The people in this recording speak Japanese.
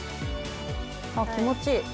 あっ気持ちいい。